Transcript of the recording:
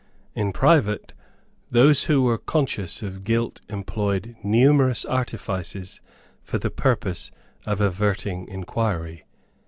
In private those who were conscious of guilt employed numerous artifices for the purpose of averting inquiry.